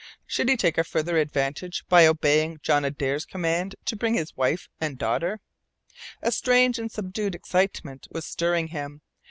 Should he take a further advantage by obeying John Adare's command to bring his wife and daughter? A strange and subdued excitement was stirring him.